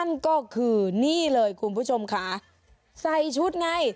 นี่เลยคุณผู้ชมใส่ชุดไง